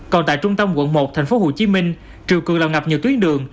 còn tại trung tâm quận một tp hcm triệu cường lào ngập nhiều tuyến đường